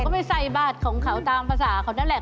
ก็ไปใส่บาทของเขาตามภาษาเขานั่นแหละ